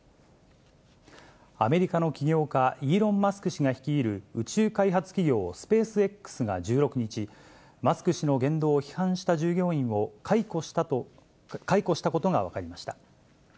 アメリカの起業家、イーロン・マスク氏が率いる宇宙開発企業、スペースＸが１６日、マスク氏の言動を批判した従業員を解雇したことが分かりました。